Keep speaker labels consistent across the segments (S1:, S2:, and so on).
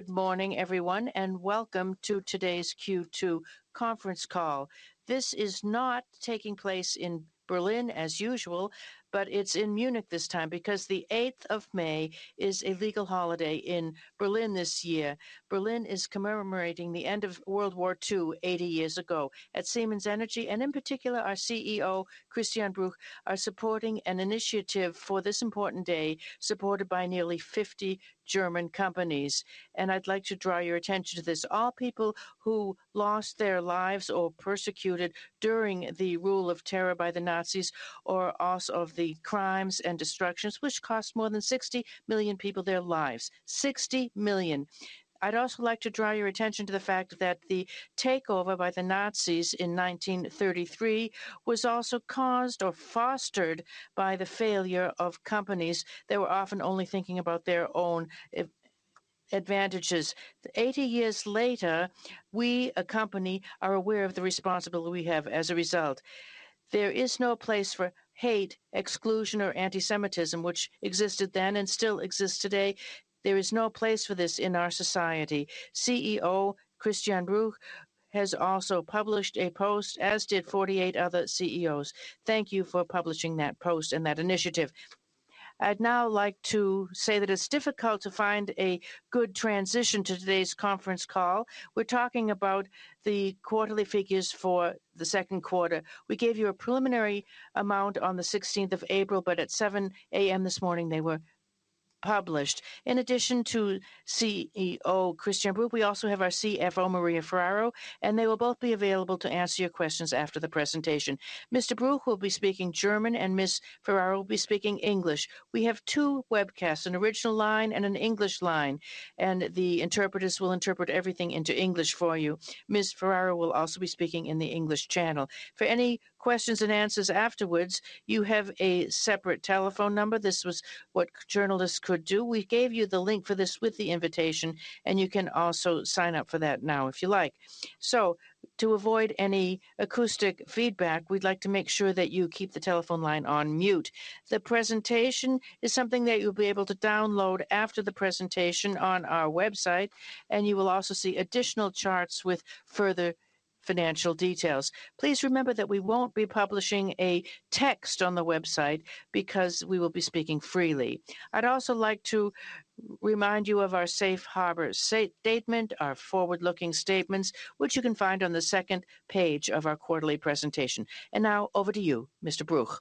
S1: Good morning, everyone, and welcome to today's Q2 Conference Call. This is not taking place in Berlin as usual, but it's in Munich this time because the 8th of May is a legal holiday in Berlin this year. Berlin is commemorating the end of World War II 80 years ago. At Siemens Energy, and in particular our CEO, Christian Bruch, are supporting an initiative for this important day, supported by nearly 50 German companies, and I'd like to draw your attention to this: all people who lost their lives or persecuted during the rule of terror by the Nazis, or also of the crimes and destructions which cost more than 60 million people their lives. 60 million. I'd also like to draw your attention to the fact that the takeover by the Nazis in 1933 was also caused or fostered by the failure of companies that were often only thinking about their own advantages. 80 years later, we as a company are aware of the responsibility we have as a result. There is no place for hate, exclusion, or anti-Semitism which existed then and still exists today. There is no place for this in our society. CEO Christian Bruch has also published a post, as did 48 other CEOs. Thank you for publishing that post and that initiative. I'd now like to say that it's difficult to find a good transition to today's conference call. We're talking about the quarterly figures for the second quarter. We gave you a preliminary amount on the 16th of April, but at 7:00 A.M. this morning they were published. In addition to CEO Christian Bruch, we also have our CFO, Maria Ferraro, and they will both be available to answer your questions after the presentation. Mr. Bruch will be speaking German, and Ms. Ferraro will be speaking English. We have two webcasts: an original line and an English line, and the interpreters will interpret everything into English for you. Ms. Ferraro will also be speaking in the English channel. For any questions and answers afterwards, you have a separate telephone number. This was what journalists could do. We gave you the link for this with the invitation, and you can also sign up for that now if you like. So, to avoid any acoustic feedback, we'd like to make sure that you keep the telephone line on mute. The presentation is something that you'll be able to download after the presentation on our website, and you will also see additional charts with further financial details. Please remember that we won't be publishing a text on the website because we will be speaking freely. I'd also like to remind you of our Safe Harbor Statement, our forward-looking statements, which you can find on the second page of our quarterly presentation, and now over to you, Mr. Bruch.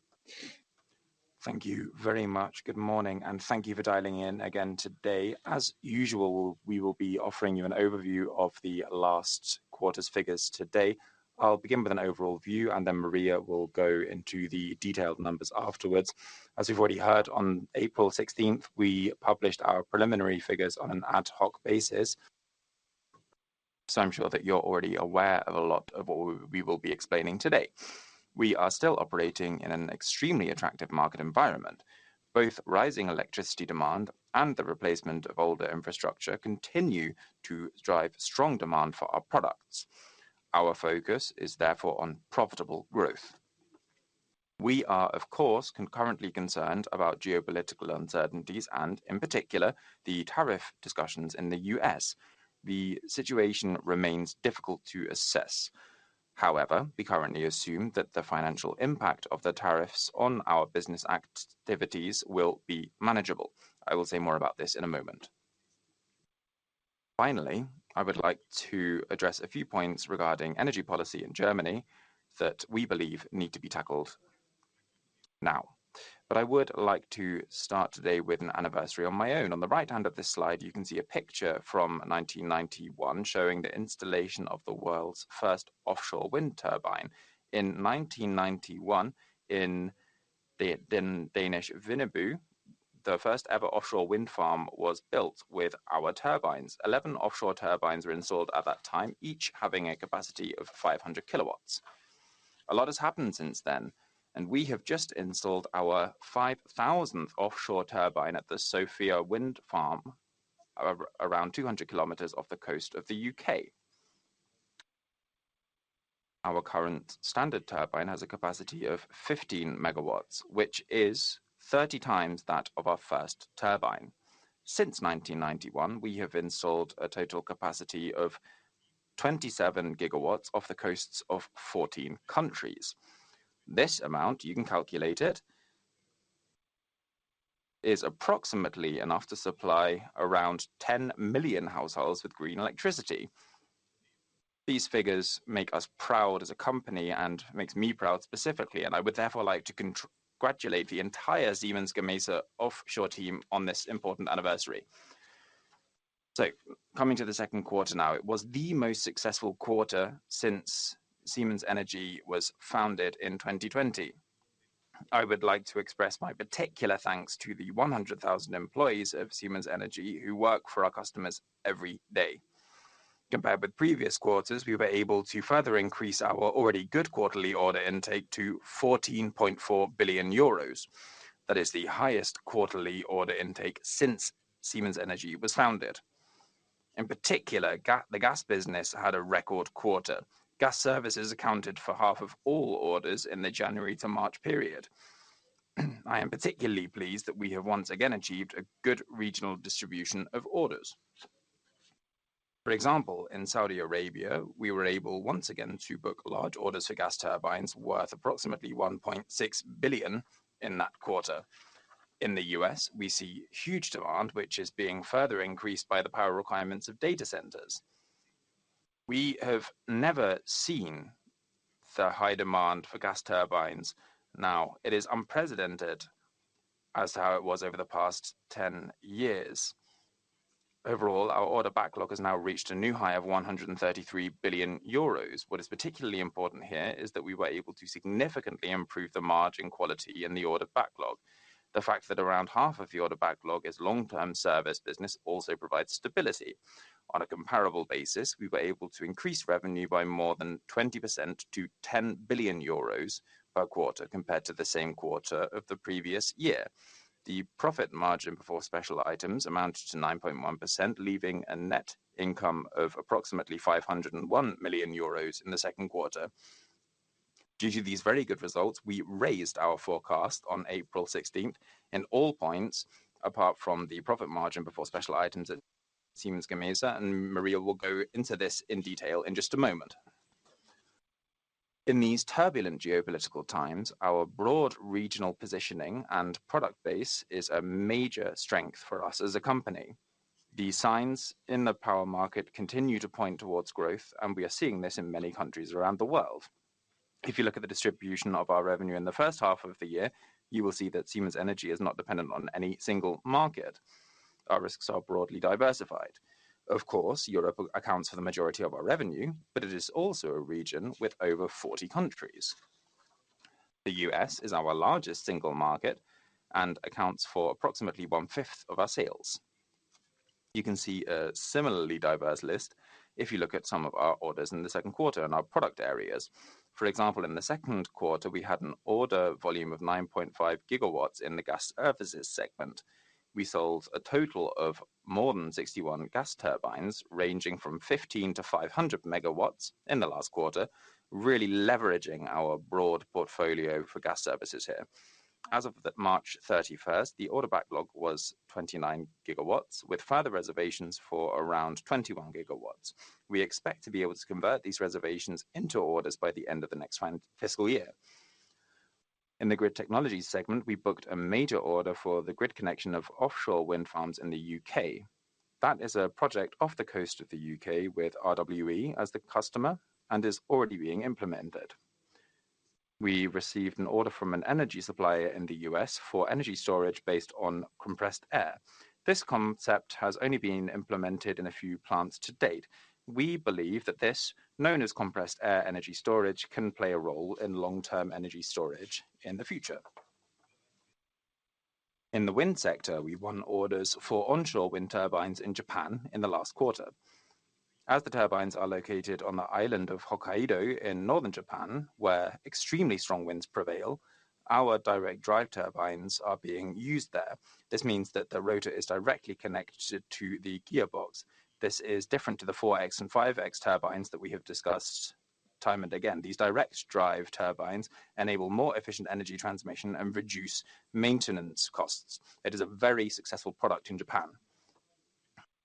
S2: Thank you very much. Good morning, and thank you for dialing in again today. As usual, we will be offering you an overview of the last quarter's figures today. I'll begin with an overall view, and then Maria will go into the detailed numbers afterwards. As you've already heard, on April 16th, we published our preliminary figures on an ad hoc basis. So I'm sure that you're already aware of a lot of what we will be explaining today. We are still operating in an extremely attractive market environment. Both rising electricity demand and the replacement of older infrastructure continue to drive strong demand for our products. Our focus is therefore on profitable growth. We are, of course, concurrently concerned about geopolitical uncertainties and, in particular, the tariff discussions in the U.S. The situation remains difficult to assess. However, we currently assume that the financial impact of the tariffs on our business activities will be manageable. I will say more about this in a moment. Finally, I would like to address a few points regarding energy policy in Germany that we believe need to be tackled now. But I would like to start today with an anniversary on my own. On the right hand of this slide, you can see a picture from 1991 showing the installation of the world's first offshore wind turbine. In 1991, in the Danish Vindeby, the first ever offshore wind farm was built with our turbines. Eleven offshore turbines were installed at that time, each having a capacity of 500 kilowatts. A lot has happened since then, and we have just installed our 5,000th offshore turbine at the Sofia wind farm, around 200 kilometers off the coast of the U.K. Our current standard turbine has a capacity of 15 MW, which is 30 times that of our first turbine. Since 1991, we have installed a total capacity of 27 GW off the coasts of 14 countries. This amount, you can calculate it, is approximately enough to supply around 10 million households with green electricity. These figures make us proud as a company and make me proud specifically, and I would therefore like to congratulate the entire Siemens Gamesa offshore team on this important anniversary. So, coming to the second quarter now, it was the most successful quarter since Siemens Energy was founded in 2020. I would like to express my particular thanks to the 100,000 employees of Siemens Energy who work for our customers every day. Compared with previous quarters, we were able to further increase our already good quarterly order intake to 14.4 billion euros. That is the highest quarterly order intake since Siemens Energy was founded. In particular, the gas business had a record quarter. Gas services accounted for half of all orders in the January to March period. I am particularly pleased that we have once again achieved a good regional distribution of orders. For example, in Saudi Arabia, we were able once again to book large orders for gas turbines worth approximately 1.6 billion in that quarter. In the U.S., we see huge demand, which is being further increased by the power requirements of data centers. We have never seen the high demand for gas turbines. Now, it is unprecedented as how it was over the past 10 years. Overall, our order backlog has now reached a new high of 133 billion euros. What is particularly important here is that we were able to significantly improve the margin quality in the order backlog. The fact that around half of the order backlog is long-term service business also provides stability. On a comparable basis, we were able to increase revenue by more than 20% to 10 billion euros per quarter compared to the same quarter of the previous year. The profit margin before special items amounted to 9.1%, leaving a net income of approximately 501 million euros in the second quarter. Due to these very good results, we raised our forecast on April 16th in all points apart from the profit margin before special items at Siemens Gamesa, and Maria will go into this in detail in just a moment. In these turbulent geopolitical times, our broad regional positioning and product base is a major strength for us as a company. The signs in the power market continue to point towards growth, and we are seeing this in many countries around the world. If you look at the distribution of our revenue in the first half of the year, you will see that Siemens Energy is not dependent on any single market. Our risks are broadly diversified. Of course, Europe accounts for the majority of our revenue, but it is also a region with over 40 countries. The U.S. is our largest single market and accounts for approximately one-fifth of our sales. You can see a similarly diverse list if you look at some of our orders in the second quarter and our product areas. For example, in the second quarter, we had an order volume of 9.5 GW in the Gas Services segment. We sold a total of more than 61 gas turbines ranging from 15-500 MW in the last quarter, really leveraging our broad portfolio for Gas Services here. As of March 31st, the order backlog was 29 GW, with further reservations for around 21 GW. We expect to be able to convert these reservations into orders by the end of the next fiscal year. In the Grid Technologies segment, we booked a major order for the grid connection of offshore wind farms in the U.K. That is a project off the coast of the U.K. with RWE as the customer and is already being implemented. We received an order from an energy supplier in the U.S. for energy storage based on compressed air. This concept has only been implemented in a few plants to date. We believe that this, known as compressed air energy storage, can play a role in long-term energy storage in the future. In the wind sector, we won orders for onshore wind turbines in Japan in the last quarter. As the turbines are located on the island of Hokkaido in northern Japan, where extremely strong winds prevail, our direct drive turbines are being used there. This means that the rotor is directly connected to the gearbox. This is different to the 4.X and 5.X turbines that we have discussed time and again. These direct drive turbines enable more efficient energy transmission and reduce maintenance costs. It is a very successful product in Japan.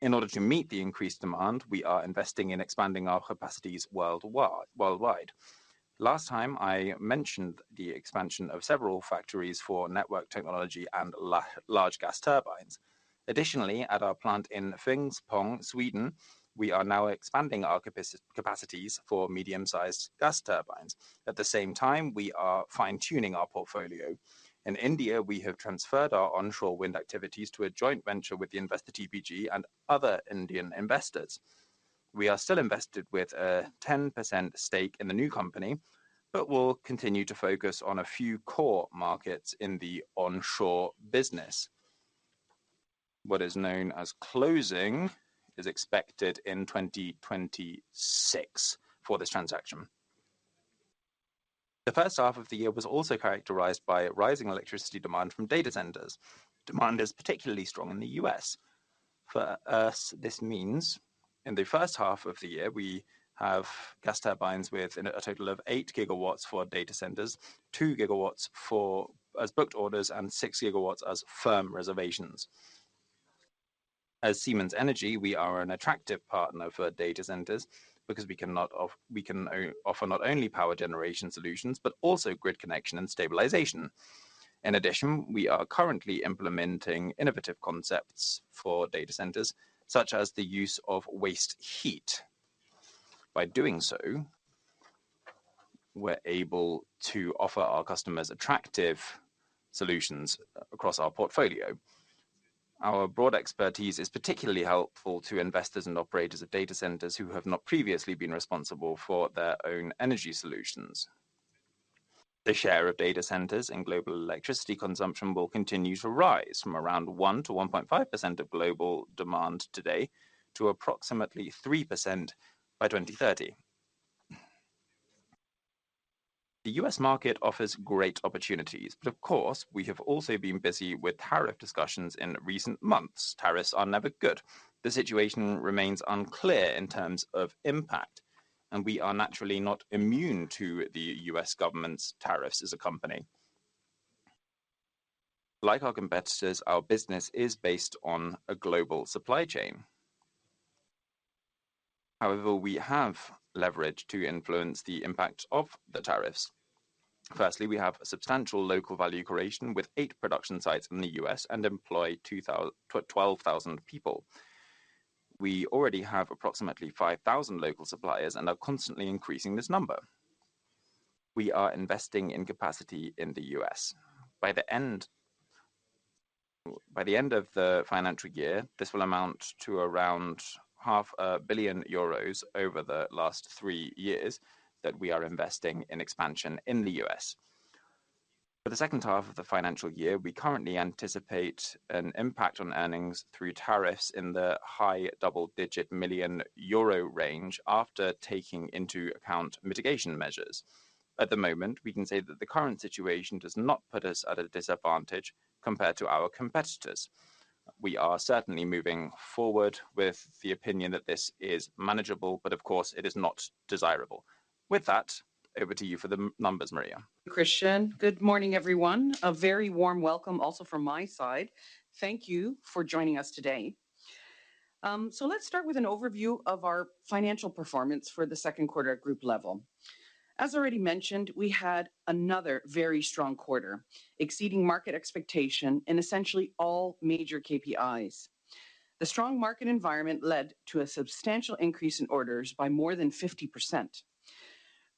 S2: In order to meet the increased demand, we are investing in expanding our capacities worldwide. Last time, I mentioned the expansion of several factories for network technology and large gas turbines. Additionally, at our plant in Finspång, Sweden, we are now expanding our capacities for medium-sized gas turbines. At the same time, we are fine-tuning our portfolio. In India, we have transferred our onshore wind activities to a joint venture with the investor TPG and other Indian investors. We are still invested with a 10% stake in the new company, but we'll continue to focus on a few core markets in the onshore business. What is known as closing is expected in 2026 for this transaction. The first half of the year was also characterized by rising electricity demand from data centers. Demand is particularly strong in the U.S. For us, this means in the first half of the year, we have gas turbines with a total of 8 GW for data centers, 2 GW as booked orders, and 6 GW as firm reservations. As Siemens Energy, we are an attractive partner for data centers because we can offer not only power generation solutions, but also grid connection and stabilization. In addition, we are currently implementing innovative concepts for data centers, such as the use of waste heat. By doing so, we're able to offer our customers attractive solutions across our portfolio. Our broad expertise is particularly helpful to investors and operators of data centers who have not previously been responsible for their own energy solutions. The share of data centers in global electricity consumption will continue to rise from around 1%-1.5% of global demand today to approximately 3% by 2030. The U.S. market offers great opportunities, but of course, we have also been busy with tariff discussions in recent months. Tariffs are never good. The situation remains unclear in terms of impact, and we are naturally not immune to the U.S. government's tariffs as a company. Like our competitors, our business is based on a global supply chain. However, we have leverage to influence the impact of the tariffs. Firstly, we have a substantial local value creation with eight production sites in the U.S. and employ 12,000 people. We already have approximately 5,000 local suppliers and are constantly increasing this number. We are investing in capacity in the U.S. By the end of the financial year, this will amount to around 500 million euros over the last three years that we are investing in expansion in the U.S. For the second half of the financial year, we currently anticipate an impact on earnings through tariffs in the high double-digit million EUR range after taking into account mitigation measures. At the moment, we can say that the current situation does not put us at a disadvantage compared to our competitors. We are certainly moving forward with the opinion that this is manageable, but of course, it is not desirable. With that, over to you for the numbers, Maria.
S3: Christian, good morning, everyone. A very warm welcome also from my side. Thank you for joining us today. So let's start with an overview of our financial performance for the second quarter at group level. As already mentioned, we had another very strong quarter, exceeding market expectation in essentially all major KPIs. The strong market environment led to a substantial increase in orders by more than 50%.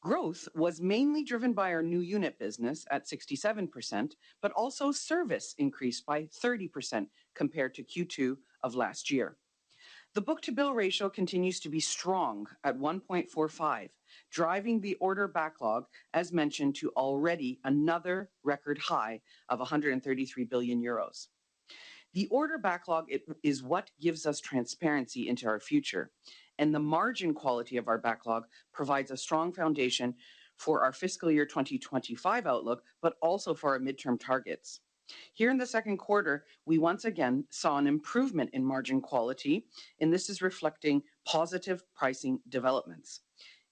S3: Growth was mainly driven by our new unit business at 67%, but also service increased by 30% compared to Q2 of last year. The book-to-bill ratio continues to be strong at 1.45, driving the order backlog, as mentioned, to already another record high of 133 billion euros. The order backlog is what gives us transparency into our future, and the margin quality of our backlog provides a strong foundation for our fiscal year 2025 outlook, but also for our midterm targets. Here in the second quarter, we once again saw an improvement in margin quality, and this is reflecting positive pricing developments.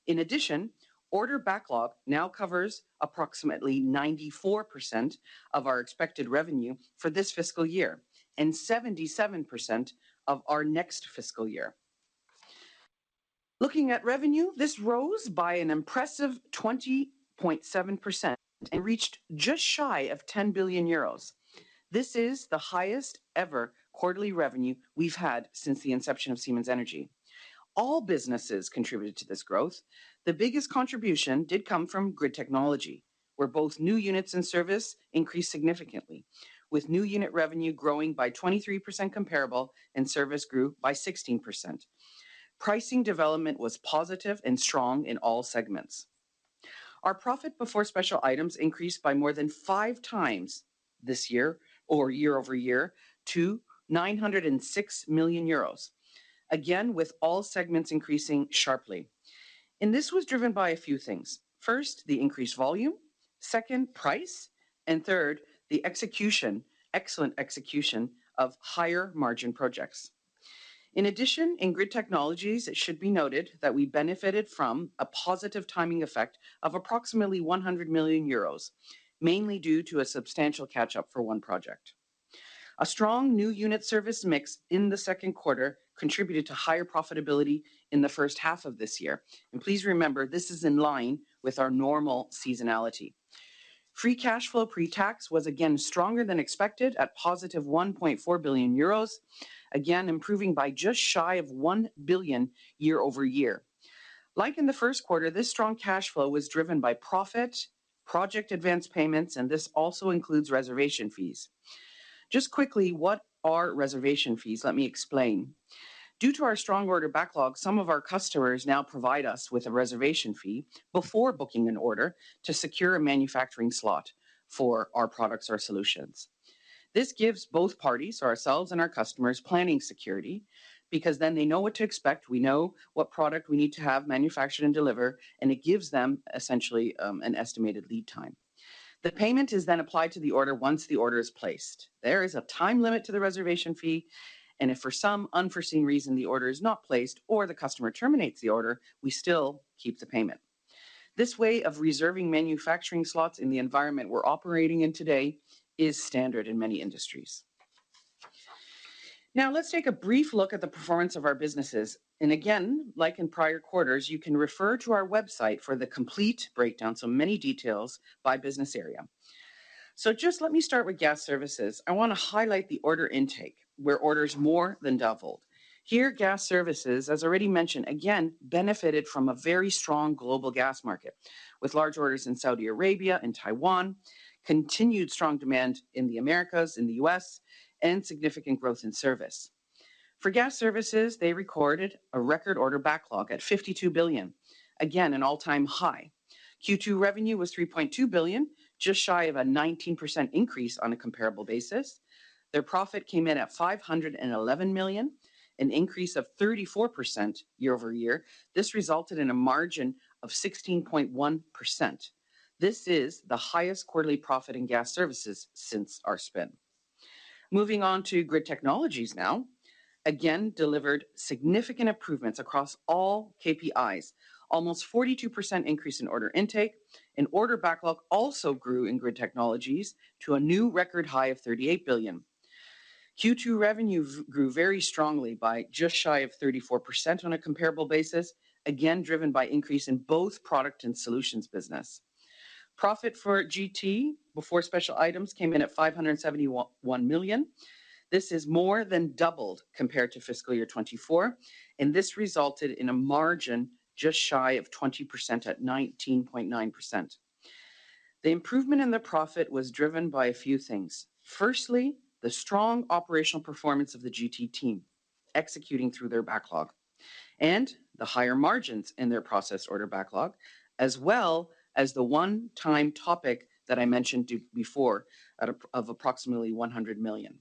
S3: In addition, order backlog now covers approximately 94% of our expected revenue for this fiscal year and 77% of our next fiscal year. Looking at revenue, this rose by an impressive 20.7% and reached just shy of 10 billion euros. This is the highest ever quarterly revenue we've had since the inception of Siemens Energy. All businesses contributed to this growth. The biggest contribution did come from Grid Technologies, where both new units and service increased significantly, with new unit revenue growing by 23% comparable and service grew by 16%. Pricing development was positive and strong in all segments. Our profit before special items increased by more than five times this year or year over year to 906 million euros, again with all segments increasing sharply. This was driven by a few things. First, the increased volume. Second, price. And third, the execution, excellent execution of higher margin projects. In addition, in grid technologies, it should be noted that we benefited from a positive timing effect of approximately 100 million euros, mainly due to a substantial catch-up for one project. A strong new unit service mix in the second quarter contributed to higher profitability in the first half of this year. And please remember, this is in line with our normal seasonality. Free cash flow pre-tax was again stronger than expected at positive 1.4 billion euros, again improving by just shy of 1 billion year over year. Like in the first quarter, this strong cash flow was driven by profit, project advance payments, and this also includes reservation fees. Just quickly, what are reservation fees? Let me explain. Due to our strong order backlog, some of our customers now provide us with a reservation fee before booking an order to secure a manufacturing slot for our products or solutions. This gives both parties, ourselves and our customers, planning security because then they know what to expect. We know what product we need to have manufactured and delivered, and it gives them essentially an estimated lead time. The payment is then applied to the order once the order is placed. There is a time limit to the reservation fee, and if for some unforeseen reason the order is not placed or the customer terminates the order, we still keep the payment. This way of reserving manufacturing slots in the environment we're operating in today is standard in many industries. Now, let's take a brief look at the performance of our businesses. Again, like in prior quarters, you can refer to our website for the complete breakdown, so many details by business area. So just let me start with Gas Services. I want to highlight the order intake, where orders more than doubled. Here, Gas Services, as already mentioned, again benefited from a very strong global gas market with large orders in Saudi Arabia and Taiwan, continued strong demand in the Americas, in the U.S., and significant growth in service. For Gas Services, they recorded a record order backlog at 52 billion, again an all-time high. Q2 revenue was 3.2 billion, just shy of a 19% increase on a comparable basis. Their profit came in at 511 million, an increase of 34% year over year. This resulted in a margin of 16.1%. This is the highest quarterly profit in Gas Services since our spin. Moving on to grid technologies now, again delivered significant improvements across all KPIs, almost 42% increase in order intake. Order backlog also grew in grid technologies to a new record high of 38 billion. Q2 revenue grew very strongly by just shy of 34% on a comparable basis, again driven by increase in both product and solutions business. Profit for GT before special items came in at 571 million. This is more than doubled compared to fiscal year 2024, and this resulted in a margin just shy of 20% at 19.9%. The improvement in the profit was driven by a few things. Firstly, the strong operational performance of the GT team executing through their backlog and the higher margins in their process order backlog, as well as the one-time topic that I mentioned before of approximately 100 million.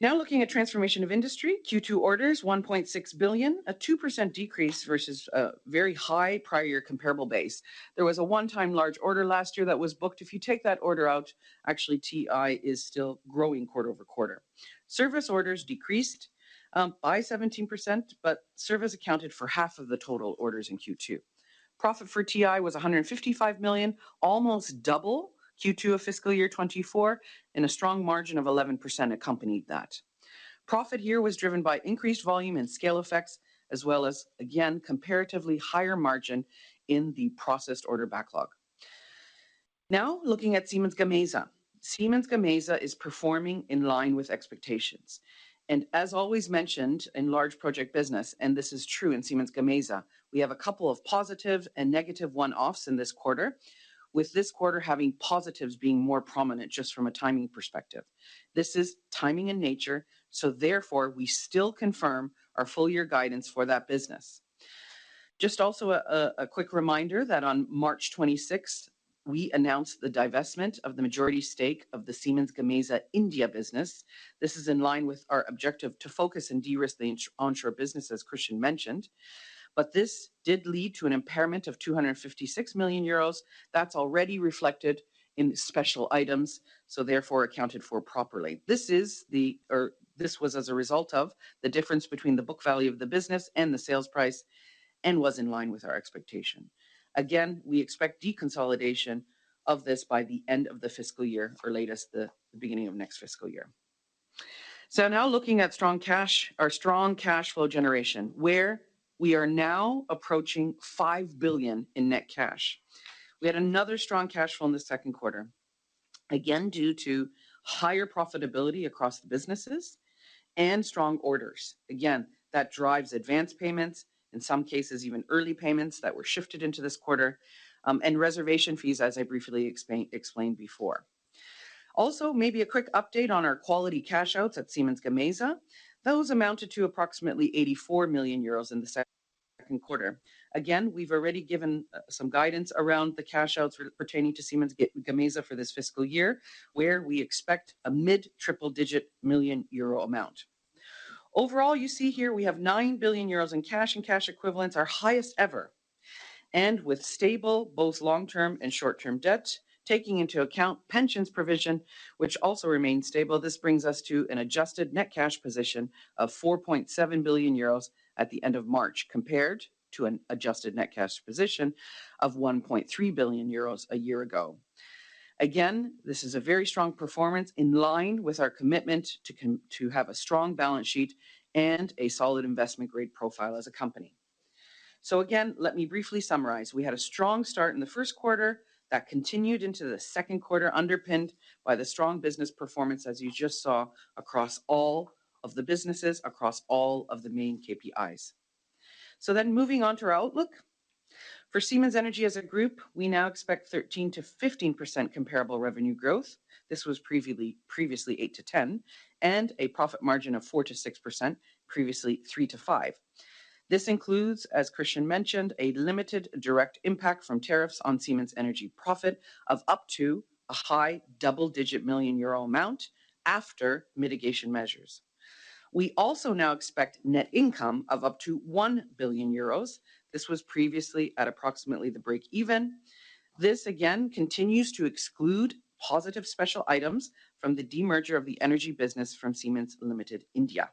S3: Now looking at Transformation of Industry, Q2 orders 1.6 billion, a 2% decrease versus a very high prior year comparable base. There was a one-time large order last year that was booked. If you take that order out, actually TI is still growing quarter over quarter. Service orders decreased by 17%, but service accounted for half of the total orders in Q2. Profit for TI was 155 million, almost double Q2 of fiscal year 2024, and a strong margin of 11% accompanied that. Profit here was driven by increased volume and scale effects, as well as, again, comparatively higher margin in the process order backlog. Now looking at Siemens Gamesa. Siemens Gamesa is performing in line with expectations. As always mentioned in large project business, and this is true in Siemens Gamesa, we have a couple of positive and negative one-offs in this quarter, with this quarter having positives being more prominent just from a timing perspective. This is timing in nature, so therefore we still confirm our full year guidance for that business. Just also a quick reminder that on March 26th, we announced the divestment of the majority stake of the Siemens Gamesa India business. This is in line with our objective to focus and de-risk the onshore business, as Christian mentioned. But this did lead to an impairment of 256 million euros. That's already reflected in special items, so therefore accounted for properly. This was as a result of the difference between the book value of the business and the sales price and was in line with our expectation. Again, we expect deconsolidation of this by the end of the fiscal year or latest the beginning of next fiscal year. So now looking at strong cash, our strong cash flow generation, where we are now approaching 5 billion in net cash. We had another strong cash flow in the second quarter, again due to higher profitability across the businesses and strong orders. Again, that drives advance payments, in some cases even early payments that were shifted into this quarter, and reservation fees, as I briefly explained before. Also, maybe a quick update on our quality cash outs at Siemens Gamesa. Those amounted to approximately 84 million euros in the second quarter. Again, we've already given some guidance around the cash outs pertaining to Siemens Gamesa for this fiscal year, where we expect a mid-triple-digit million euro amount. Overall, you see here we have 9 billion euros in cash and cash equivalents, our highest ever, and with stable both long-term and short-term debt, taking into account pensions provision, which also remains stable, this brings us to an adjusted net cash position of 4.7 billion euros at the end of March compared to an adjusted net cash position of 1.3 billion euros a year ago. Again, this is a very strong performance in line with our commitment to have a strong balance sheet and a solid investment grade profile as a company, so again, let me briefly summarize. We had a strong start in the first quarter that continued into the second quarter, underpinned by the strong business performance, as you just saw across all of the businesses, across all of the main KPIs, so then moving on to our outlook. For Siemens Energy as a group, we now expect 13%-15% comparable revenue growth. This was previously 8%-10%, and a profit margin of 4%-6%, previously 3%-5%. This includes, as Christian mentioned, a limited direct impact from tariffs on Siemens Energy profit of up to a high double-digit million EUR amount after mitigation measures. We also now expect net income of up to 1 billion euros. This was previously at approximately the break-even. This, again, continues to exclude positive special items from the demerger of the energy business from Siemens Limited India.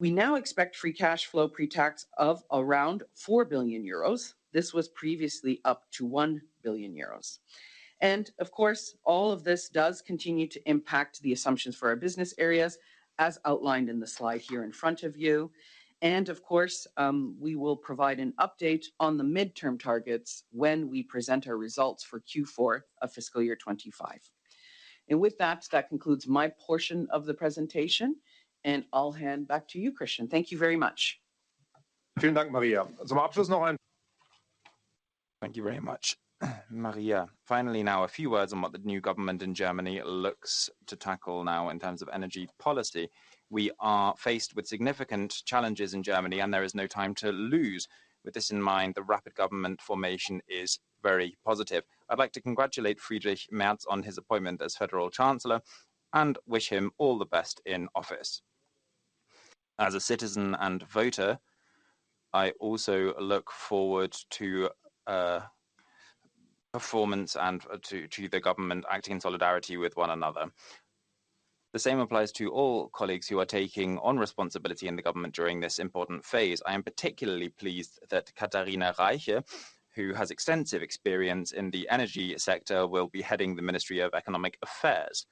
S3: We now expect free cash flow pre-tax of around 4 billion euros. This was previously up to 1 billion euros. And of course, all of this does continue to impact the assumptions for our business areas, as outlined in the slide here in front of you. Of course, we will provide an update on the midterm targets when we present our results for Q4 of fiscal year 2025. With that, that concludes my portion of the psentation, and I'll hand back to you, Christian. Thank you very much.
S2: Vielen Dank, Maria. Zum Abschluss noch ein. Thank you very much, Maria. Finally, now a few words on what the new government in Germany looks to tackle now in terms of energy policy. We are faced with significant challenges in Germany, and there is no time to lose. With this in mind, the rapid government formation is very positive. I'd like to congratulate Friedrich Merz on his appointment as Federal Chancellor and wish him all the best in office. As a citizen and voter, I also look forward to performance and to the government acting in solidarity with one another. The same applies to all colleagues who are taking on responsibility in the government during this important phase. I am particularly pleased that Katharina Reiche, who has extensive experience in the energy sector, will be heading the Ministry of Economic Affairs.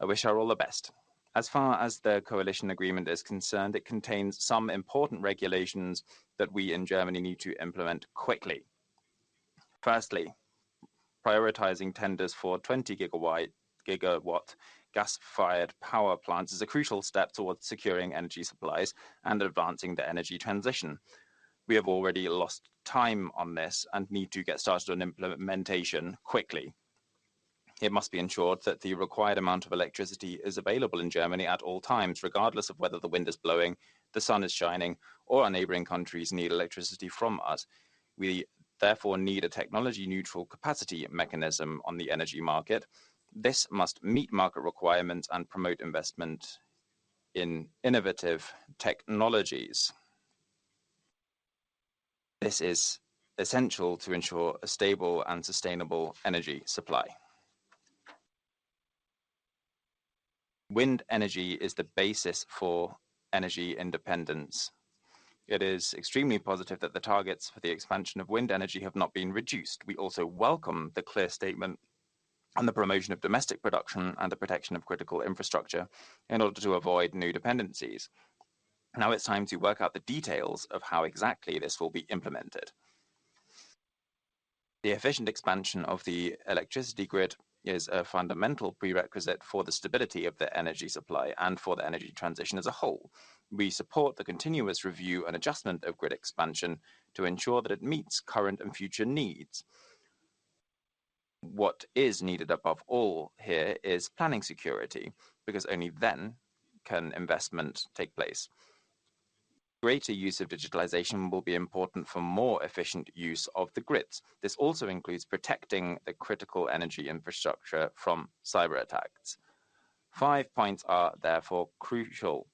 S2: I wish her all the best. As far as the coalition agreement is concerned, it contains some important regulations that we in Germany need to implement quickly. Firstly, prioritizing tenders for 20 GW gas-fired power plants is a crucial step towards securing energy supplies and advancing the energy transition. We have already lost time on this and need to get started on implementation quickly. It must be ensured that the required amount of electricity is available in Germany at all times, regardless of whether the wind is blowing, the sun is shining, or our neighboring countries need electricity from us. We therefore need a technology-neutral capacity mechanism on the energy market. This must meet market requirements and promote investment in innovative technologies. This is essential to ensure a stable and sustainable energy supply. Wind energy is the basis for energy independence. It is extremely positive that the targets for the expansion of wind energy have not been reduced. We also welcome the clear statement on the promotion of domestic production and the protection of critical infrastructure in order to avoid new dependencies. Now it's time to work out the details of how exactly this will be implemented. The efficient expansion of the electricity grid is a fundamental prerequisite for the stability of the energy supply and for the energy transition as a whole. We support the continuous review and adjustment of grid expansion to ensure that it meets current and future needs. What is needed above all here is planning security because only then can investment take place. Greater use of digitalization will be important for more efficient use of the grids. This also includes protecting the critical energy infrastructure from cyberattacks. Five points are therefore crucial: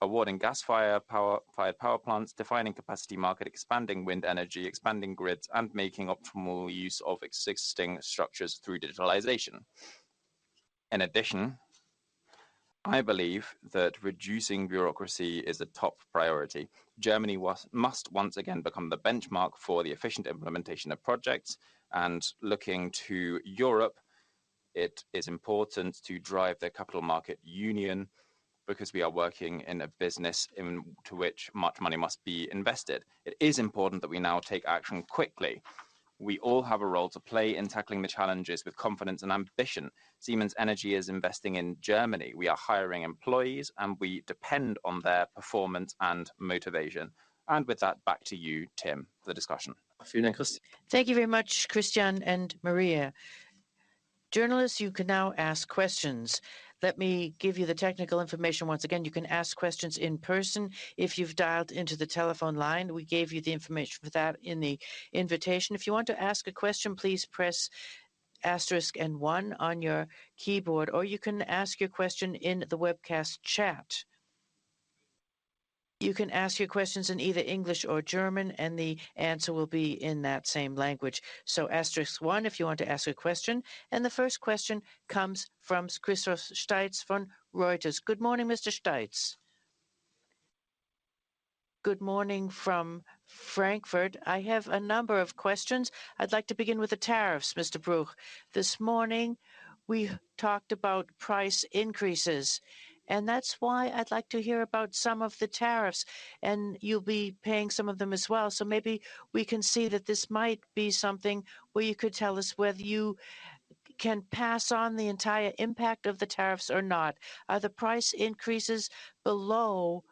S2: awarding gas-fired power plants, defining capacity market, expanding wind energy, expanding grids, and making optimal use of existing structures through digitalization. In addition, I believe that reducing bureaucracy is a top priority. Germany must once again become the benchmark for the efficient implementation of projects. And looking to Europe, it is important to drive the Capital Markets Union because we are working in a business into which much money must be invested. It is important that we now take action quickly. We all have a role to play in tackling the challenges with confidence and ambition. Siemens Energy is investing in Germany. We are hiring employees, and we depend on their performance and motivation. And with that, back to you, Tim, for the discussion.
S1: Vielen Dank, Christian. Thank you very much, Christian and Maria. Journalists, you can now ask questions. Let me give you the technical information once again. You can ask questions in person. If you've dialed into the telephone line, we gave you the information for that in the invitation. If you want to ask a question, please press asterisk and one on your keyboard, or you can ask your question in the webcast chat. You can ask your questions in either English or German, and the answer will be in that same language. Asterisk one if you want to ask a question. The first question comes from Christoph Steitz von Reuters. Good morning, Mr. Steitz.
S4: Good morning from Frankfurt. I have a number of questions. I'd like to begin with the tariffs, Mr. Bruch. This morning, we talked about price increases, and that's why I'd like to hear about some of the tariffs, and you'll be paying some of them as well. So maybe we can see that this might be something where you could tell us whether you can pass on the entire impact of the tariffs or not. Are the price increases below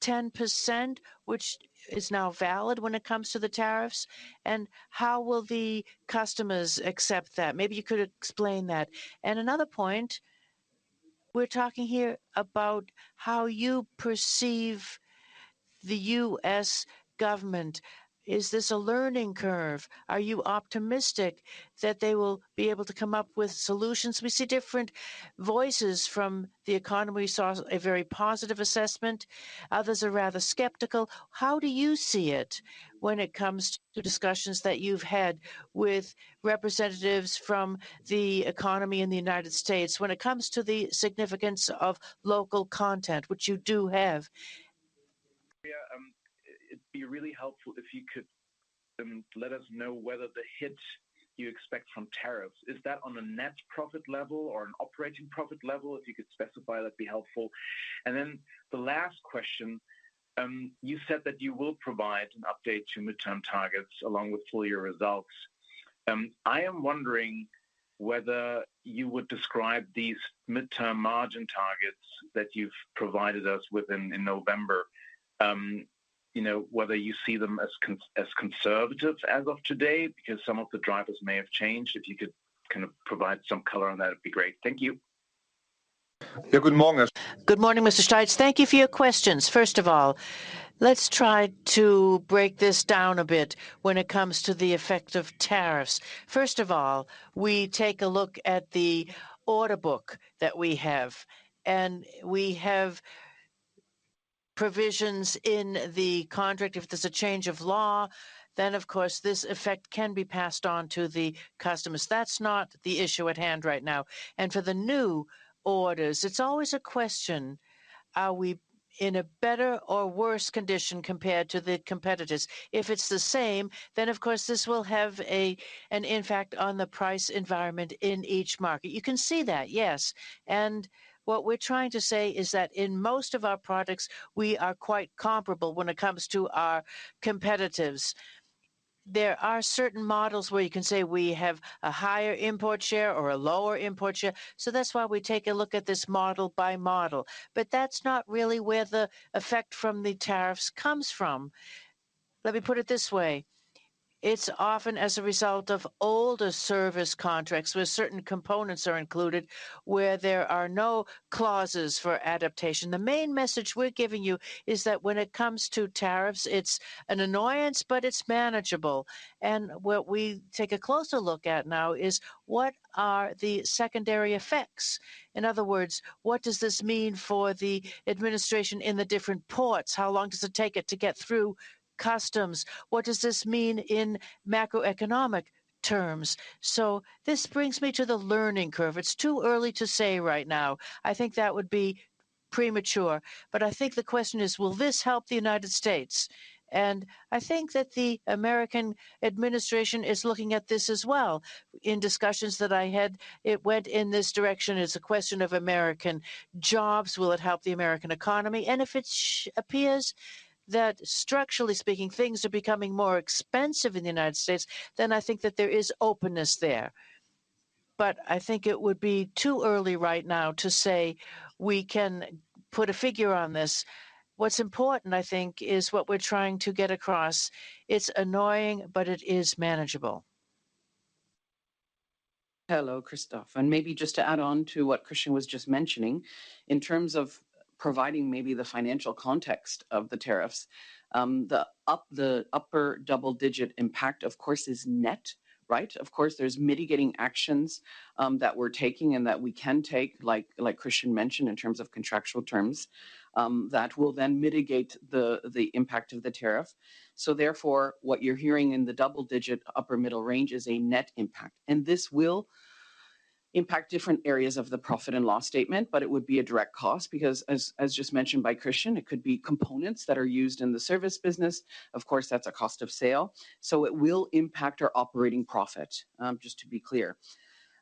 S4: 10%, which is now valid when it comes to the tariffs? And how will the customers accept that? Maybe you could explain that. And another point, we're talking here about how you perceive the U.S. government. Is this a learning curve? Are you optimistic that they will be able to come up with solutions? We see different voices from the economy. We saw a very positive assessment. Others are rather skeptical. How do you see it when it comes to discussions that you've had with representatives from the economy in the U.S. when it comes to the significance of local content, which you do have? It'd be really helpful if you could let us know whether the hit you expect from tariffs, is that on a net profit level or an operating profit level? If you could specify, that'd be helpful. And then the last question, you said that you will provide an update to midterm targets along with full year results. I am wondering whether you would describe these midterm margin targets that you've provided us with in November, whether you see them as conservative as of today, because some of the drivers may have changed. If you could kind of provide some color on that, it'd be great. Thank you. Guten Morgen.
S2: Good morning, Mr. Steitz. Thank you for your questions. First of all, let's try to break this down a bit when it comes to the effect of tariffs. First of all, we take a look at the order book that we have, and we have provisions in the contract. If there's a change of law, then of course this effect can be passed on to the customers. That's not the issue at hand right now. And for the new orders, it's always a question: are we in a better or worse condition compared to the competitors? If it's the same, then of course this will have an impact on the price environment in each market. You can see that, yes. And what we're trying to say is that in most of our products, we are quite comparable when it comes to our competitors. There are certain models where you can say we have a higher import share or a lower import share. So that's why we take a look at this model by model. But that's not really where the effect from the tariffs comes from. Let me put it this way. It's often as a result of older service contracts where certain components are included, where there are no clauses for adaptation. The main message we're giving you is that when it comes to tariffs, it's an annoyance, but it's manageable. And what we take a closer look at now is what are the secondary effects? In other words, what does this mean for the administration in the different ports? How long does it take it to get through customs? What does this mean in macroeconomic terms? So this brings me to the learning curve. It's too early to say right now. I think that would be premature. But I think the question is, will this help the United States? And I think that the American administration is looking at this as well. In discussions that I had, it went in this direction. It's a question of American jobs. Will it help the American economy? And if it appears that, structurally speaking, things are becoming more expensive in the United States, then I think that there is openness there. But I think it would be too early right now to say we can put a figure on this. What's important, I think, is what we're trying to get across. It's annoying, but it is manageable.
S3: Hello, Christoph, and maybe just to add on to what Christian was just mentioning, in terms of providing maybe the financial context of the tariffs, the upper double-digit impact, of course, is net, right? Of course, there's mitigating actions that we're taking and that we can take, like Christian mentioned, in terms of contractual terms, that will then mitigate the impact of the tariff, so therefore, what you're hearing in the double-digit upper middle range is a net impact, and this will impact different areas of the profit and loss statement, but it would be a direct cost because, as just mentioned by Christian, it could be components that are used in the service business. Of course, that's a cost of sale, so it will impact our operating profit, just to be clear.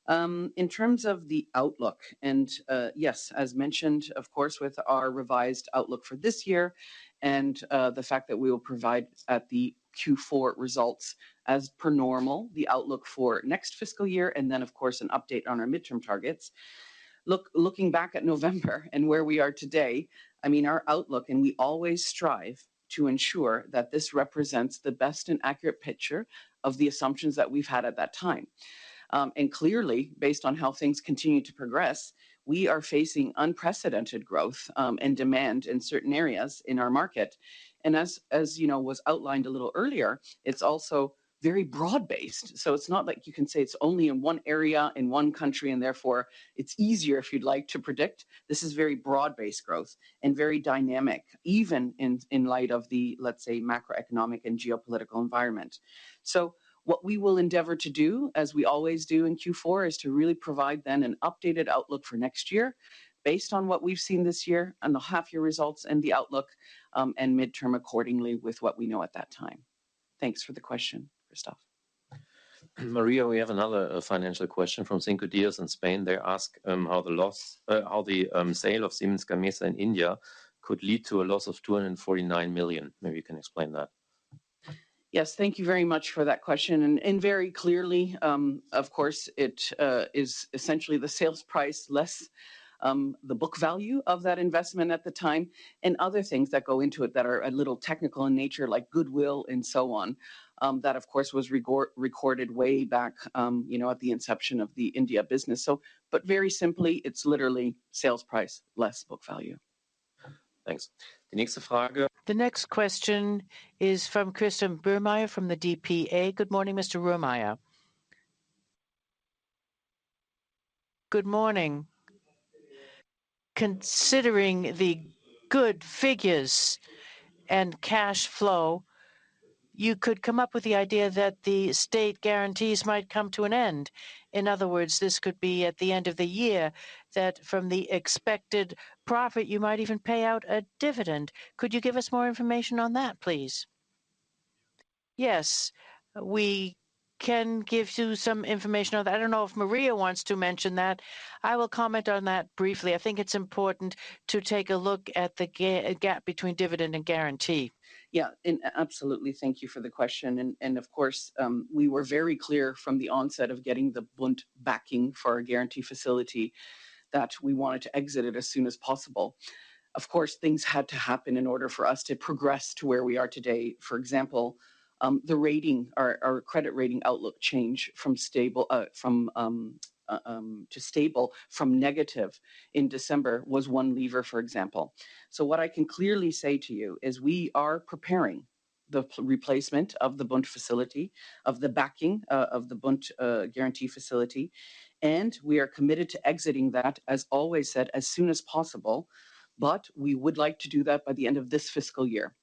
S3: In terms of the outlook, and yes, as mentioned, of course, with our revised outlook for this year and the fact that we will provide at the Q4 results as per normal, the outlook for next fiscal year, and then, of course, an update on our midterm targets. Looking back at November and where we are today, I mean, our outlook, and we always strive to ensure that this represents the best and accurate picture of the assumptions that we've had at that time, and clearly, based on how things continue to progress, we are facing unprecedented growth and demand in certain areas in our market, and as you know, was outlined a little earlier, it's also very broad-based, so it's not like you can say it's only in one area, in one country, and therefore it's easier, if you'd like, to predict. This is very broad-based growth and very dynamic, even in light of the, let's say, macroeconomic and geopolitical environment. So what we will endeavor to do, as we always do in Q4, is to really provide then an updated outlook for next year based on what we've seen this year and the half-year results and the outlook and midterm accordingly with what we know at that time. Thanks for the question, Christoph.
S1: Maria, we have another financial question from Cinco Días in Spain. They ask how the sale of Siemens Gamesa in India could lead to a loss of 249 million. Maybe you can explain that.
S3: Yes, thank you very much for that question, and very clearly, of course, it is essentially the sales price less the book value of that investment at the time and other things that go into it that are a little technical in nature, like goodwill and so on, that, of course, was recorded way back at the inception of the India business, but very simply, it's literally sales price less book value.
S1: Thanks. The next question is from Christian Böhmer from the DPA. Good morning, Mr. Böhmer. Good morning. Considering the good figures and cash flow, you could come up with the idea that the state guarantees might come to an end. In other words, this could be at the end of the year that from the expected profit, you might even pay out a dividend. Could you give us more information on that, please?
S2: Yes, we can give you some information on that. I don't know if Maria wants to mention that. I will comment on that briefly. I think it's important to take a look at the gap between dividend and guarantee.
S3: Yeah. Absolutely. Thank you for the question. And of course, we were very clear from the onset of getting the Bund backing for our guarantee facility that we wanted to exit it as soon as possible. Of course, things had to happen in order for us to progress to where we are today. For example, the rating, our credit rating outlook change from negative to stable in December was one lever, for example. So what I can clearly say to you is we are preparing the replacement of the Bund facility, of the backing of the Bund guarantee facility, and we are committed to exiting that, as always said, as soon as possible. But we would like to do that by the end of this fiscal year.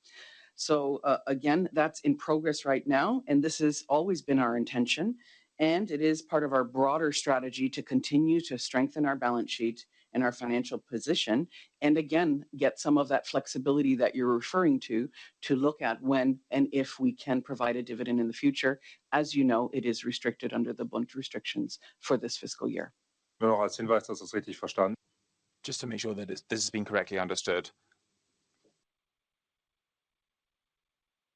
S3: So again, that's in progress right now, and this has always been our intention, and it is part of our broader strategy to continue to strengthen our balance sheet and our financial position and again, get some of that flexibility that you're referring to, to look at when and if we can provide a dividend in the future. As you know, it is restricted under the Bund restrictions for this fiscal year. Just to make sure that this has been correctly understood.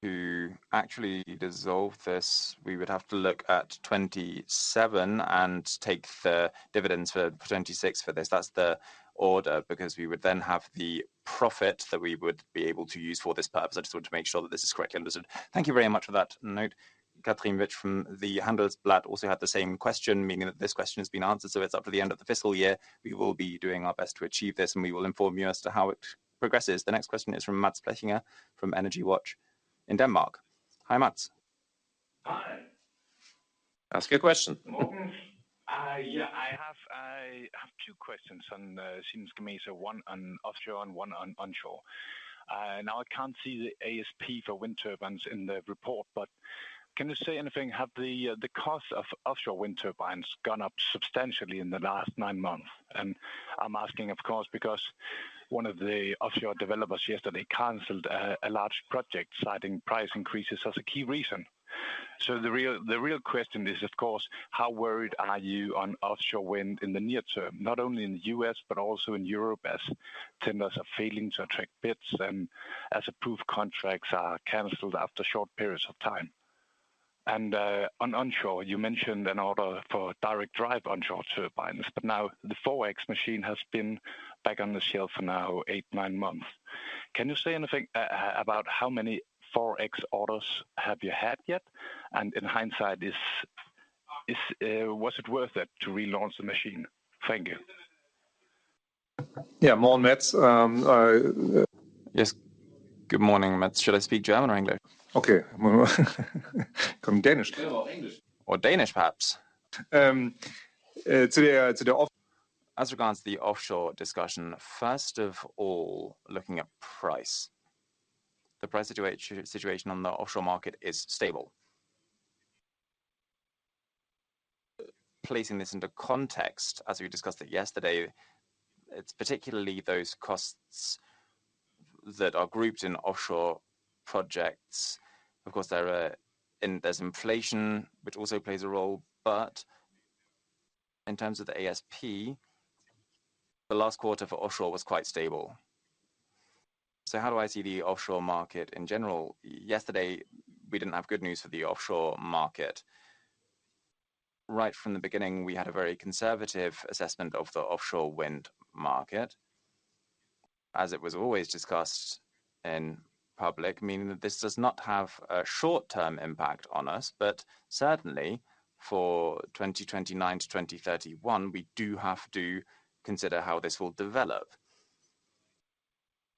S3: To actually dissolve this, we would have to look at 2027 and take the dividends for 2026 for this. That's the order because we would then have the profit that we would be able to use for this purpose. I just want to make sure that this is correctly understood. Thank you very much for that note.
S1: Kathrin Witsch from the Handelsblatt also had the same question, meaning that this question has been answered. So it's up to the end of the fiscal year. We will be doing our best to achieve this, and we will inform you as to how it progresses. The next question is from Max Plechinger from EnergyWatch in Denmark. Hi, Max.
S5: Hi.
S2: Ask your question.
S5: Yeah, I have two questions on Siemens Gamesa, one on offshore and one on onshore. Now, I can't see the ASP for wind turbines in the report, but can you say anything? Have the costs of offshore wind turbines gone up substantially in the last nine months? And I'm asking, of course, because one of the offshore developers yesterday canceled a large project citing price increases as a key reason. So the real question is, of course, how worried are you on offshore wind in the near term, not only in the U.S., but also in Europe as tenders are failing to attract bids and as approved contracts are canceled after short periods of time? And on onshore, you mentioned an order for direct drive onshore turbines, but now the 4.X machine has been back on the shelf for now eight, nine months. Can you say anything about how many 4.X orders have you had yet? And in hindsight, was it worth it to relaunch the machine? Thank you.
S2: Yeah, more on Max. Yes. Good morning, Max. Should I speak German or English?
S5: Okay. Come Danish. Or English.
S2: Or Danish, perhaps. As regards the offshore discussion, first of all, looking at price. The price situation on the offshore market is stable. Placing this into context, as we discussed it yesterday, it's particularly those costs that are grouped in offshore projects. Of course, there's inflation, which also plays a role, but in terms of the ASP, the last quarter for offshore was quite stable. So how do I see the offshore market in general? Yesterday, we didn't have good news for the offshore market. Right from the beginning, we had a very conservative assessment of the offshore wind market, as it was always discussed in public, meaning that this does not have a short-term impact on us, but certainly for 2029 to 2031, we do have to consider how this will develop.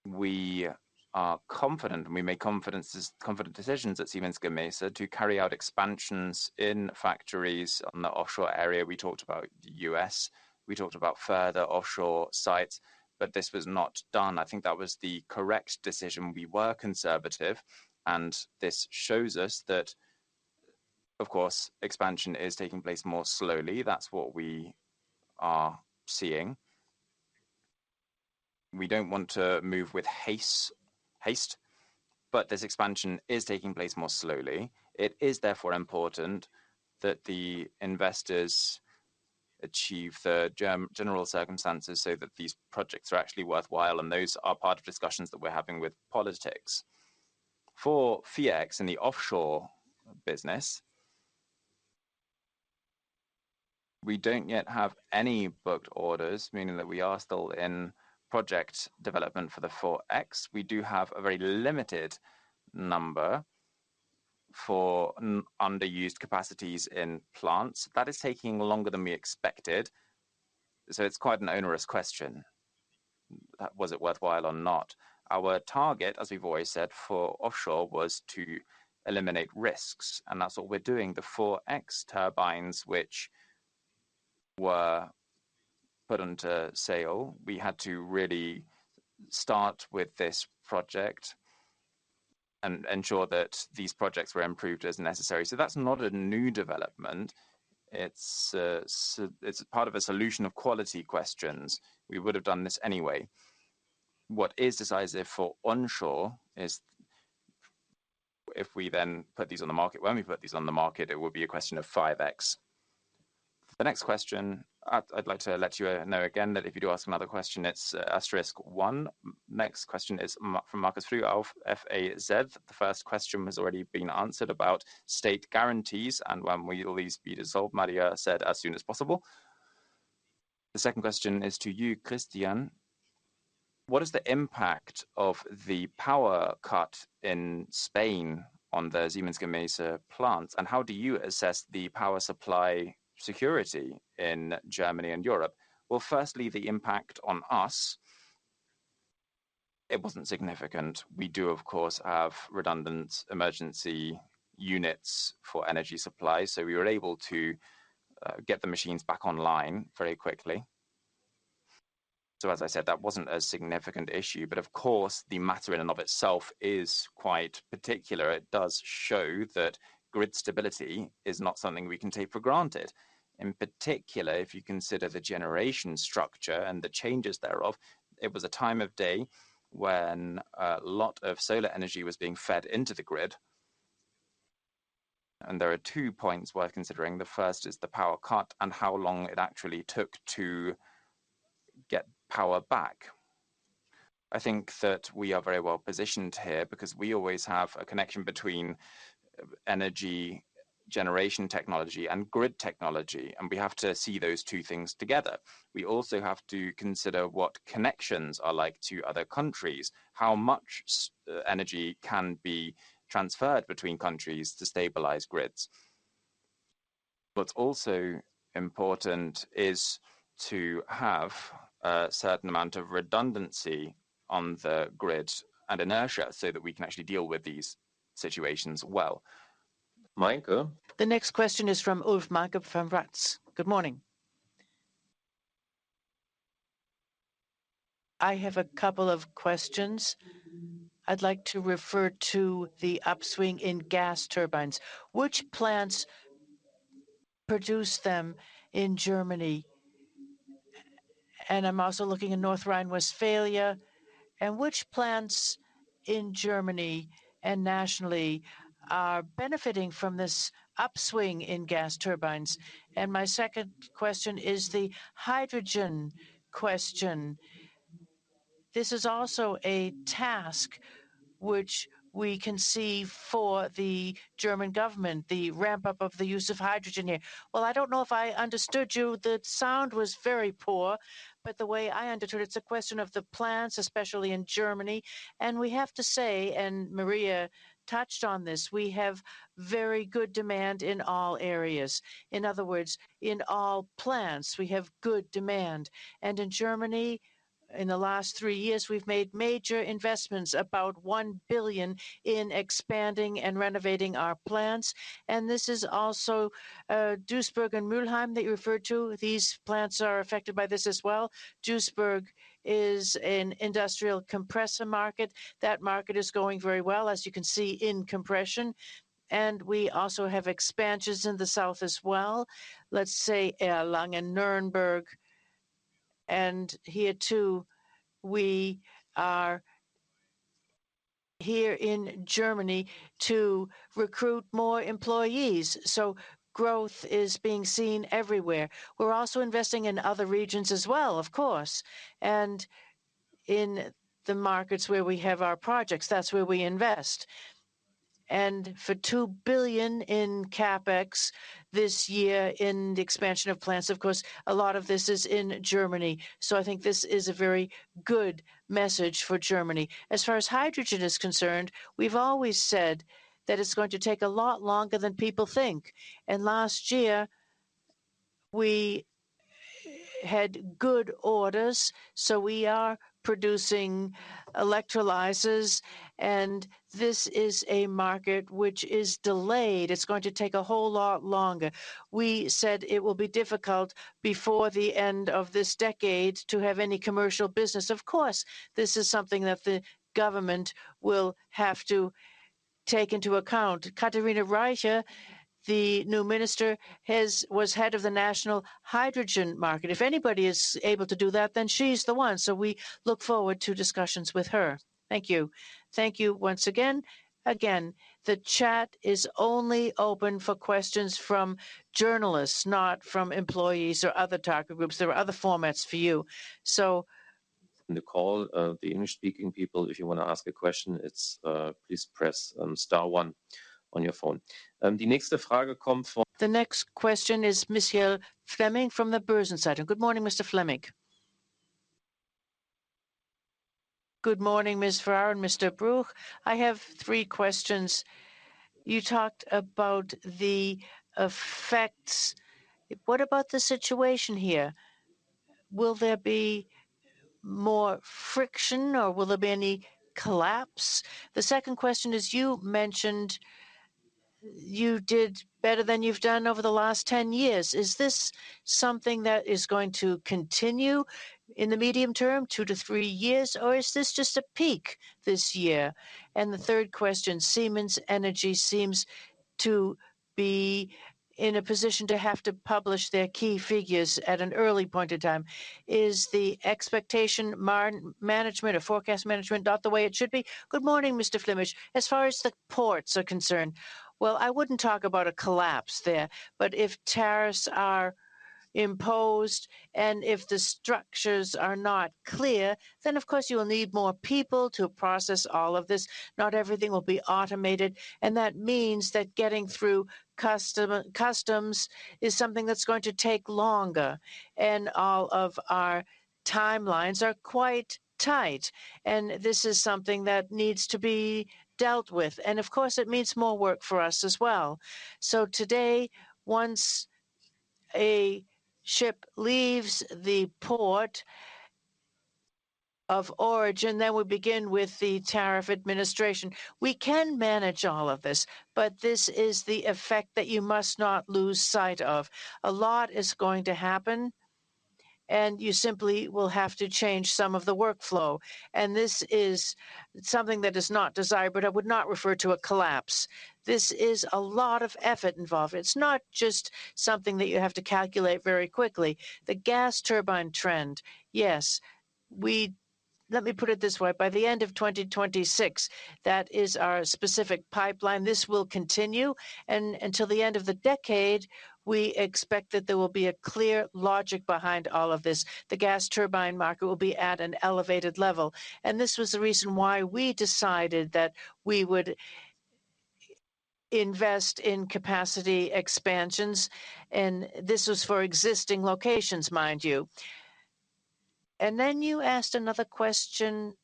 S2: We are confident, and we make confident decisions at Siemens Gamesa to carry out expansions in factories in the offshore area. We talked about the U.S. We talked about further offshore sites, but this was not done. I think that was the correct decision. We were conservative, and this shows us that, of course, expansion is taking place more slowly. That's what we are seeing. We don't want to move with haste, but this expansion is taking place more slowly. It is therefore important that the investors achieve the general circumstances so that these projects are actually worthwhile, and those are part of discussions that we're having with politics. For 4.X in the offshore business, we don't yet have any booked orders, meaning that we are still in project development for the 4.X. We do have a very limited number for underused capacities in plants. That is taking longer than we expected. So it's quite an onerous question. Was it worthwhile or not? Our target, as we've always said, for offshore was to eliminate risks, and that's what we're doing. The 4.X turbines, which were put onto sale, we had to really start with this project and ensure that these projects were improved as necessary. So that's not a new development. It's part of a solution of quality questions. We would have done this anyway. What is decisive for onshore is if we then put these on the market. When we put these on the market, it will be a question of 5.X.
S1: The next question, I'd like to let you know again that if you do ask another question, it's asterisk one. Next question is from Markus Fasse. The first question has already been answered about state guarantees and when will these be dissolved. Maria said, as soon as possible. The second question is to you, Christian. What is the impact of the power cut in Spain on the Siemens Gamesa plants, and how do you assess the power supply security in Germany and Europe?
S2: Well, firstly, the impact on us, it wasn't significant. We do, of course, have redundant emergency units for energy supply, so we were able to get the machines back online very quickly. So, as I said, that wasn't a significant issue, but of course, the matter in and of itself is quite particular. It does show that grid stability is not something we can take for granted. In particular, if you consider the generation structure and the changes thereof, it was a time of day when a lot of solar energy was being fed into the grid. And there are two points worth considering. The first is the power cut and how long it actually took to get power back. I think that we are very well positioned here because we always have a connection between energy generation technology and Grid Technologies, and we have to see those two things together. We also have to consider what connections are like to other countries, how much energy can be transferred between countries to stabilize grids. What's also important is to have a certain amount of redundancy on the grid and inertia so that we can actually deal with these situations well. Maria.
S1: The next question is from Ulf Meinke from WAZ. Good morning. I have a couple of questions. I'd like to refer to the upswing in gas turbines. Which plants produce them in Germany? And I'm also looking at North Rhine-Westphalia. And which plants in Germany and nationally are benefiting from this upswing in gas turbines? And my second question is the hydrogen question. This is also a task which we can see for the German government, the ramp-up of the use of hydrogen here.
S2: Well, I don't know if I understood you. The sound was very poor, but the way I understood it, it's a question of the plants, especially in Germany. And we have to say, and Maria touched on this, we have very good demand in all areas. In other words, in all plants, we have good demand. In Germany, in the last three years, we've made major investments, about 1 billion, in expanding and renovating our plants. This is also Duisburg and Mülheim that you referred to. These plants are affected by this as well. Duisburg is an industrial compressor market. That market is going very well, as you can see, in compression. We also have expansions in the south as well. Let's say Erlangen and Nuremberg. Here too, we are here in Germany to recruit more employees. Growth is being seen everywhere. We're also investing in other regions as well, of course, and in the markets where we have our projects. That's where we invest. For 2 billion in CapEx this year in the expansion of plants, of course, a lot of this is in Germany. I think this is a very good message for Germany. As far as hydrogen is concerned, we've always said that it's going to take a lot longer than people think, and last year, we had good orders, so we are producing electrolyzers, and this is a market which is delayed. It's going to take a whole lot longer. We said it will be difficult before the end of this decade to have any commercial business. Of course, this is something that the government will have to take into account. Katharina Reiche, the new minister, was head of the national hydrogen market. If anybody is able to do that, then she's the one, so we look forward to discussions with her. Thank you.
S1: Thank you once again. Again, the chat is only open for questions from journalists, not from employees or other talking groups. There are other formats for you. So, in the call, the English-speaking people, if you want to ask a question, please press star one on your phone. The next question is Ms. Jill Fleming from the Börsen-Zeitung. Good morning, Ms. Fleming. Good morning, Ms. Ferraro and Mr. Bruch. I have three questions. You talked about the effects. What about the situation here? Will there be more friction, or will there be any collapse? The second question is you mentioned you did better than you've done over the last 10 years. Is this something that is going to continue in the medium term, two to three years, or is this just a peak this year? And the third question, Siemens Energy seems to be in a position to have to publish their key figures at an early point in time. Is the expectation management or forecast management not the way it should be?
S2: Good morning, Ms. Fleming. As far as the ports are concerned, well, I wouldn't talk about a collapse there, but if tariffs are imposed and if the structures are not clear, then, of course, you will need more people to process all of this. Not everything will be automated, and that means that getting through customs is something that's going to take longer, and all of our timelines are quite tight, and this is something that needs to be dealt with, and of course, it means more work for us as well, so today, once a ship leaves the port of origin, then we begin with the tariff administration. We can manage all of this, but this is the effect that you must not lose sight of. A lot is going to happen, and you simply will have to change some of the workflow. This is something that is not desirable, but I would not refer to a collapse. This is a lot of effort involved. It's not just something that you have to calculate very quickly. The gas turbine trend, yes. Let me put it this way. By the end of 2026, that is our specific pipeline. This will continue, and until the end of the decade, we expect that there will be a clear logic behind all of this. The gas turbine market will be at an elevated level, and this was the reason why we decided that we would invest in capacity expansions, and this was for existing locations, mind you. Then you asked another question,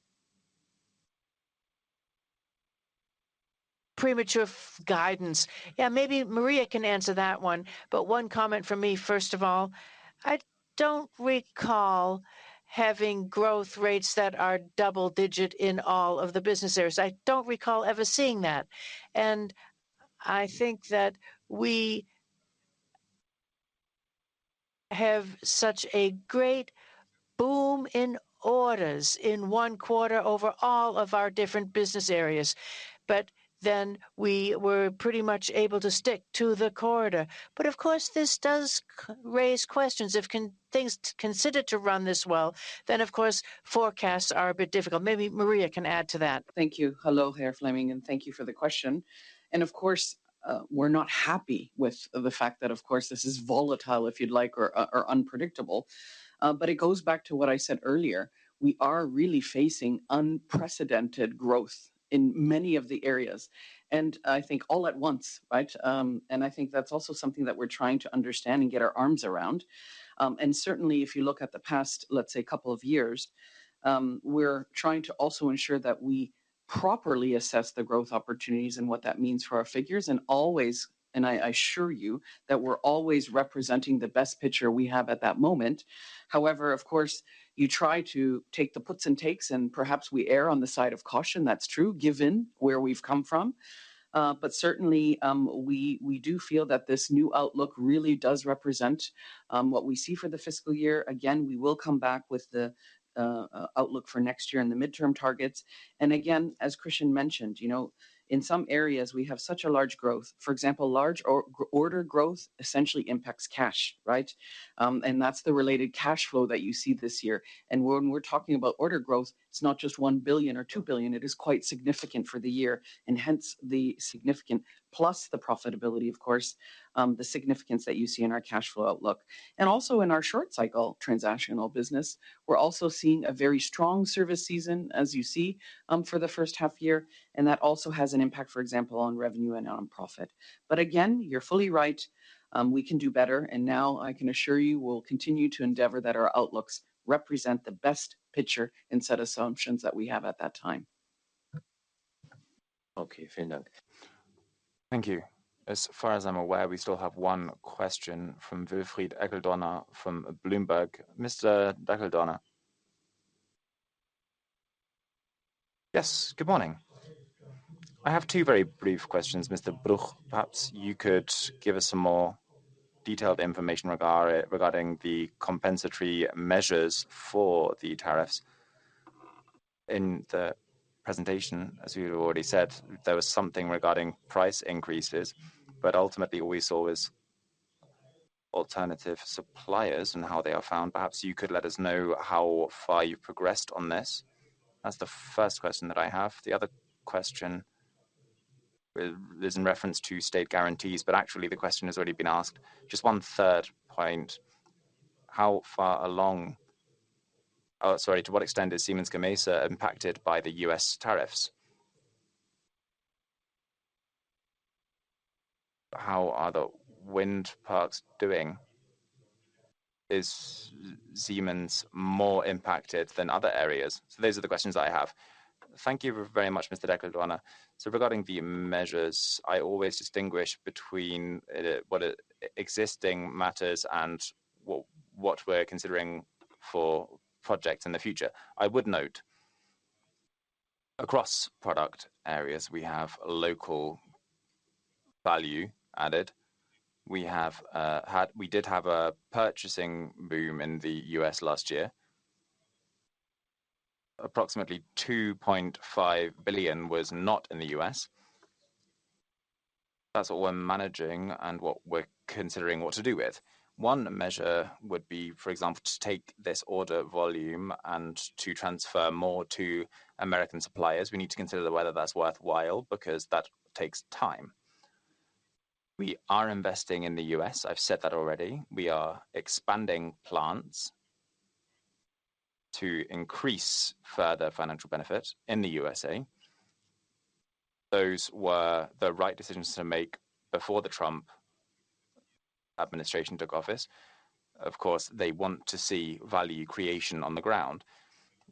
S2: premature guidance. Yeah, maybe Maria can answer that one, but one comment from me, first of all. I don't recall having growth rates that are double-digit in all of the business areas. I don't recall ever seeing that. And I think that we have such a great boom in orders in one quarter over all of our different business areas, but then we were pretty much able to stick to the quarter. But of course, this does raise questions. If things continue to run this well, then of course, forecasts are a bit difficult. Maybe Maria can add to that.
S3: Thank you. Hello, Fleming, and thank you for the question. Of course, we're not happy with the fact that, of course, this is volatile, if you'd like, or unpredictable. It goes back to what I said earlier. We are really facing unprecedented growth in many of the areas, and I think all at once, right? I think that's also something that we're trying to understand and get our arms around. Certainly, if you look at the past, let's say, couple of years, we're trying to also ensure that we properly assess the growth opportunities and what that means for our figures. Always, I assure you that we're always representing the best picture we have at that moment. However, of course, you try to take the puts and takes, and perhaps we err on the side of caution. That's true, given where we've come from. But certainly, we do feel that this new outlook really does represent what we see for the fiscal year. Again, we will come back with the outlook for next year and the midterm targets. And again, as Christian mentioned, you know, in some areas, we have such a large growth. For example, large order growth essentially impacts cash, right? And that's the related cash flow that you see this year. And when we're talking about order growth, it's not just one billion or two billion. It is quite significant for the year, and hence the significance, plus the profitability, of course, the significance that you see in our cash flow outlook. And also in our short-cycle transactional business, we're also seeing a very strong service season, as you see, for the first half year, and that also has an impact, for example, on revenue and on profit. But again, you're fully right. We can do better, and now I can assure you we'll continue to endeavor that our outlooks represent the best picture and set assumptions that we have at that time.
S1: Okay, thank you. Thank you. As far as I'm aware, we still have one question from Wilfried Eckl-Dorna from Bloomberg. Mr. Eckl-Dorna.
S6: Yes, good morning. I have two very brief questions. Mr. Bruch, perhaps you could give us some more detailed information regarding the compensatory measures for the tariffs. In the presentation, as you already said, there was something regarding price increases, but ultimately what we saw was alternative suppliers and how they are found. Perhaps you could let us know how far you've progressed on this. That's the first question that I have. The other question is in reference to state guarantees, but actually the question has already been asked. Just one third point. How far along, or sorry, to what extent is Siemens Gamesa impacted by the U.S. tariffs? How are the wind parks doing? Is Siemens more impacted than other areas?
S2: Those are the questions I have. Thank you very much, Mr. Eckl-Dorna. Regarding the measures, I always distinguish between existing matters and what we're considering for projects in the future. I would note across product areas, we have local value added. We did have a purchasing boom in the U.S. last year. Approximately 2.5 billion was not in the U.S. That's what we're managing and what we're considering what to do with. One measure would be, for example, to take this order volume and to transfer more to American suppliers. We need to consider whether that's worthwhile because that takes time. We are investing in the U.S. I've said that already. We are expanding plants to increase further financial benefit in the USA. Those were the right decisions to make before the Trump administration took office. Of course, they want to see value creation on the ground.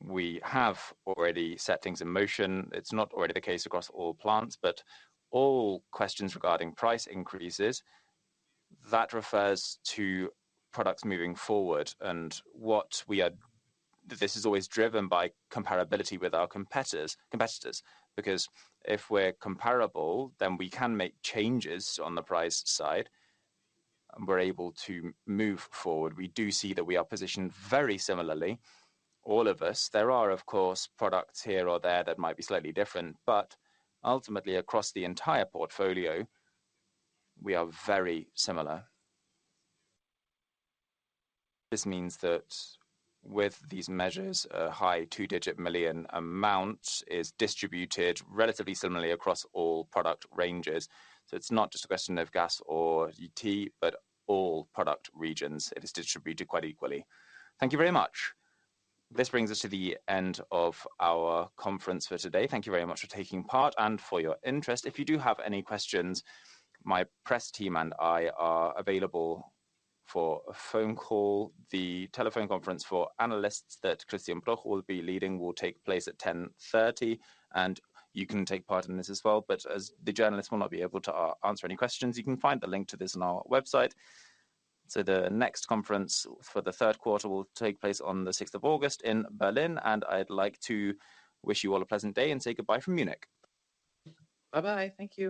S2: We have already set things in motion. It's not already the case across all plants, but all questions regarding price increases, that refers to products moving forward and what we are. This is always driven by comparability with our competitors because if we're comparable, then we can make changes on the price side. We're able to move forward. We do see that we are positioned very similarly, all of us. There are, of course, products here or there that might be slightly different, but ultimately across the entire portfolio, we are very similar. This means that with these measures, a high two-digit million amount is distributed relatively similarly across all product ranges. So it's not just a question of gas or steam, but all product regions. It is distributed quite equally.
S1: Thank you very much. This brings us to the end of our conference for today. Thank you very much for taking part and for your interest. If you do have any questions, my press team and I are available for a phone call. The telephone conference for analysts that Christian Bruch will be leading will take place at 10:30 A.M., and you can take part in this as well, but the journalists will not be able to answer any questions. You can find the link to this on our website, so the next conference for the third quarter will take place on the 6th of August in Berlin, and I'd like to wish you all a pleasant day and say goodbye from Munich.
S2: Bye-bye. Thank you.